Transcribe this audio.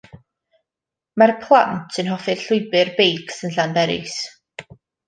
Mae'r plant yn hoffi'r llwybr beics yn Llanberis.